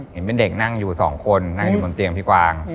เห็นเป็นเด็กนั่งอยู่สองคนนั่งอยู่บนเตียงพี่กวาง